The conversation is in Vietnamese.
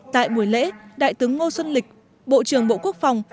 tại buổi lễ đại tướng ngô xuân lịch bộ trưởng bộ quốc phòng